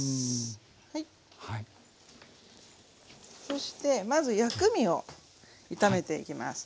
そしてまず薬味を炒めていきます。